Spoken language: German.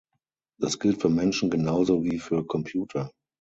Das gilt für Menschen genauso wie für Computer.